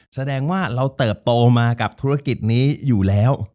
แสดงว่าเราเติบโตมากับธุรกิจนี้อยู่แล้ว